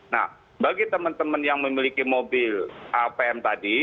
nah bagi teman teman yang memiliki mobil apm tadi